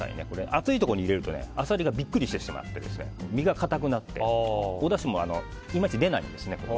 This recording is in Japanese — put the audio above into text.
熱いところに入れるとアサリがビックリしてしまって身が硬くなっておだしもいまいち出ないんですね。